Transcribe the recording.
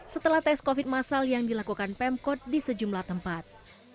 setelah tes covid masal yang dilakukan pemkot di sejumlah tempat